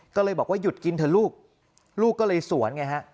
ก็เลยบอกว่าหยุดกินเถอะลูกลูกก็เลยสวนไงฮะ